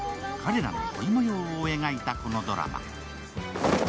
彼らの恋模様を描いたこのドラマ。